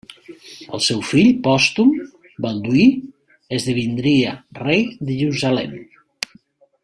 El seu fill pòstum Balduí esdevindria rei de Jerusalem.